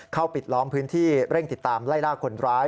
ปิดล้อมพื้นที่เร่งติดตามไล่ล่าคนร้าย